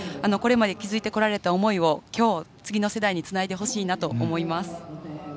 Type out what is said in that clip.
これまで築いてこられた思いをきょう、次の世代につないでほしいなと思います。